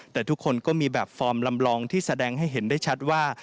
แต่ทุกคนก็มีแบบฟอร์มลำลองที่แสดงให้เห็นได้ชัดว่า